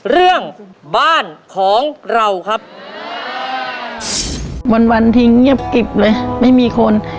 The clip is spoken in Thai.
เรื่องบ้านของเราครับวันวันที่เงียบกิบเลยไม่มีคน